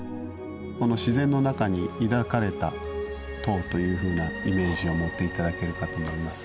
この自然の中に抱かれた塔というふうなイメージを持っていただけるかと思います。